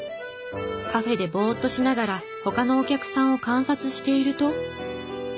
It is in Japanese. カフェでぼーっとしながら他のお客さんを観察していると。